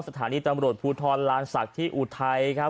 สถานีตำรวจภูทรลานศักดิ์ที่อุทัยครับ